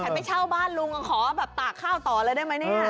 ไปเช่าบ้านลุงขอแบบตากข้าวต่อเลยได้ไหมเนี่ย